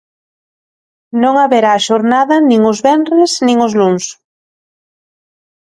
Non haberá xornada nin os venres nin os luns.